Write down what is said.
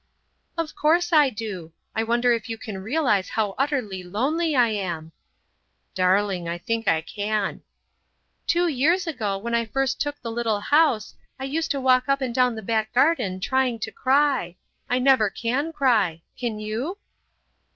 "Of course I do. I wonder if you can realise how utterly lonely I am!" "Darling, I think I can." "Two years ago, when I first took the little house, I used to walk up and down the back garden trying to cry. I never can cry. Can you?"